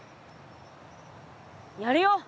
やるよ。